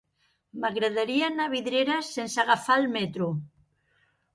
M'agradaria anar a Vidreres sense agafar el metro.